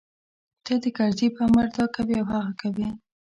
ته د کرزي په امر دا کوې او هغه کوې.